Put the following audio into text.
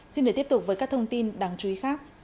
xin để tiếp tục với các thông tin đáng chú ý khác